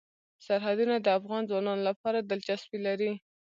سرحدونه د افغان ځوانانو لپاره دلچسپي لري.